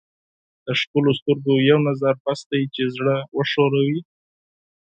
د ښکلو سترګو یو نظر کافي دی چې زړه ولړزوي.